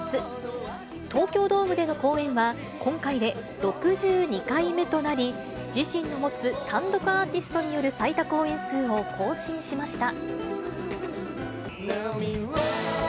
東京ドームでの公演は、今回で６２回目となり、自身の持つ単独アーティストによる最多公演数を更新しました。